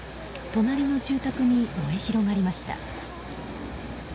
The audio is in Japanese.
隣の住宅に燃え広がりました。